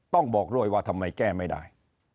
ต้องบอกรวยว่าทำไมแก้ไม่ได้